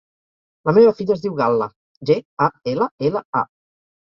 La meva filla es diu Gal·la: ge, a, ela, ela, a.